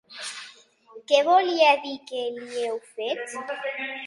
Què volia dir, què li heu fet?